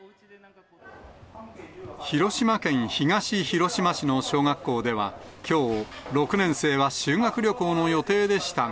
広島県東広島市の小学校では、きょう、６年生は修学旅行の予定でしたが。